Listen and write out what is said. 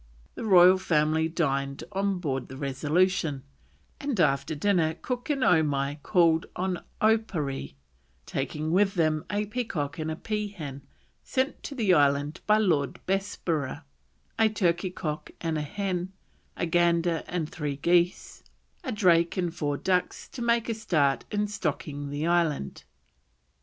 The royal family dined on board the Resolution; and after dinner Cook and Omai called on Oparee, taking with them a peacock and peahen sent to the island by Lord Bessborough, a turkey cock and hen, a gander and three geese, a drake and four ducks to make a start in stocking the island.